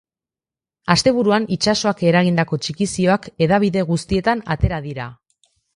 Asteburuan itsasoak eragindako txikizioak hedabide guztietan atera dira.